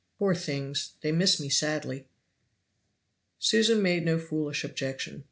Poor things! they miss me sadly." Susan made no foolish objection.